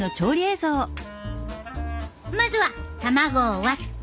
まずは卵を割って。